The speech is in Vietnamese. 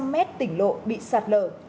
hai hai trăm linh mét tỉnh lộ bị sạt lở